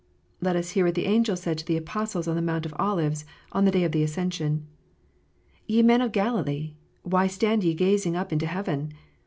Let us hear what the angel said to the Apostles on the Mount of Olives, in the day of the ascension : "Ye men of Galilee, why stand ye gazing up into heaven?